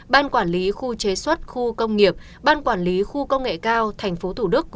ban quản lý khu chế xuất khu công nghiệp ban quản lý khu công nghệ cao tp hcm